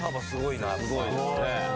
すごいですね。